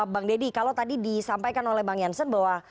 bang deddy kalau tadi disampaikan oleh bang jansen bahwa